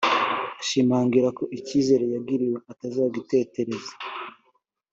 anashimangira ko icyizere yagiriwe atazagitetereza